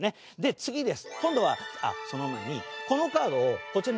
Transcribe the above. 次です。